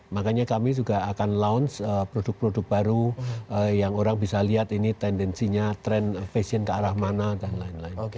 makanya kami juga akan launch produk produk baru yang orang bisa lihat ini tendensinya tren fashion ke arah mana dan lain lain